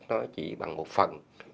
nó chỉ bằng một phần bảy tám mươi